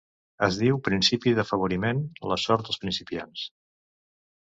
Es diu principi de d'afavoriment, la sort dels principiants.